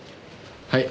はい。